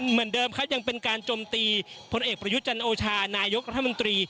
เหมือนเดิมครับยังเป็นการจมตีพลเอกประยุทธ์จันโอชานายกรัฐมนตรี